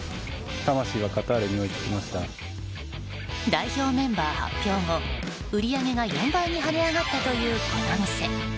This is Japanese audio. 代表メンバー発表後売り上げが４倍に跳ね上がったというこの店。